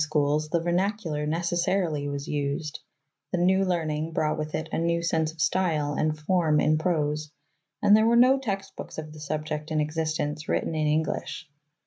schools the vernacular necessarily was used ; the new learning brought with it a new sense of style and form in prose ; and there were no text books of the subject in existence written in English.